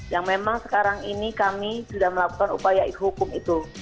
yang memang sekarang ini kami sudah melakukan upaya hukum itu